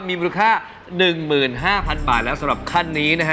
มีมูลค่า๑๕๐๐๐บาทแล้วสำหรับขั้นนี้นะฮะ